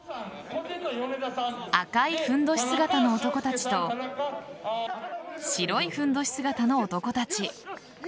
高いふんどし姿の男たちと白いふんどし姿の男たち。